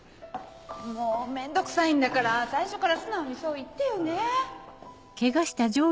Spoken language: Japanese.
もう面倒くさいんだから最初から素直にそう言ってよね